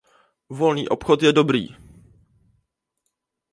Volný obchod je dobrý!